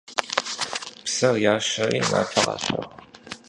Псэр ящэри напэ къащэху.